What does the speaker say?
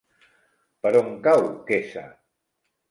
Per on cau Quesa?